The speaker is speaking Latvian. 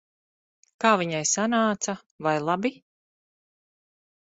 Kā viņai sanāca? Vai labi?